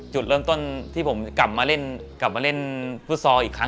จุดเริ่มต้นที่ผมกลับมาเล่นฟุตซอลอีกครั้ง